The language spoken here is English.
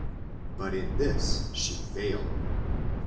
But in this she failed.